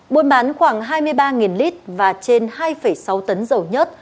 buôn bán khoảng hai mươi ba lit và trên hai sáu tấn dầu nhất